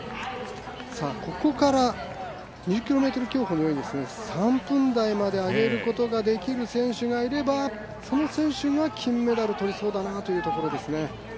ここから２０ｋｍ競歩のように３分台まで上げることができる選手がいればその選手が金メダル取りそうだなというところですね。